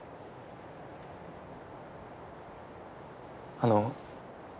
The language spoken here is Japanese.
あの。